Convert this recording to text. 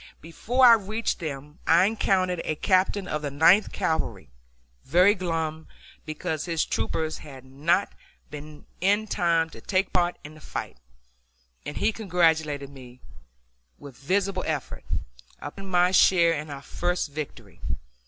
Before I reached them I encountered a captain of the Ninth Cavalry, very glum because his troopers had not been up in time to take part in the fight, and he congratulated me with visible effort! upon my share in our first victory.